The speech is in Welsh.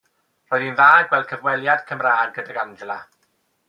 Roedd hi'n dda gweld cyfweliad Cymraeg gydag Angela.